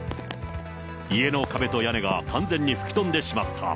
家の壁と屋根が完全に吹き飛んでしまった。